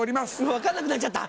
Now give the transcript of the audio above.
分かんなくなっちゃった？